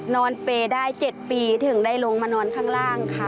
เปย์ได้๗ปีถึงได้ลงมานอนข้างล่างค่ะ